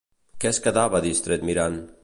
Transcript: Què es quedava distret mirant?